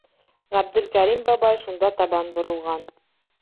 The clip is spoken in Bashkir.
Ғәбделкәрим бабай шунда табан боролған.